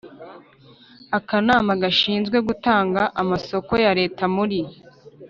Akanama gashinzwe gutanga amasoko ya Leta muri